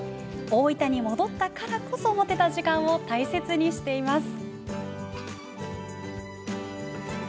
大分に戻ったからこそ持てた時間を、大切にしています。